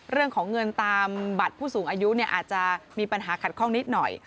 เรื่องของเงินตามบัตรผู้สูงอายุเนี่ยอาจจะมีปัญหาขัดข้องนิดหน่อย